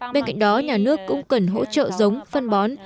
bên cạnh đó nhà nước cũng cần hỗ trợ giống phân bón